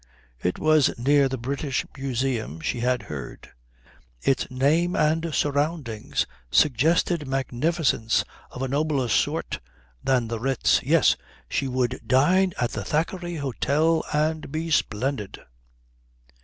It was near the British Museum, she had heard. Its name and surroundings suggested magnificence of a nobler sort than the Ritz. Yes, she would dine at the Thackeray Hôtel and be splendid.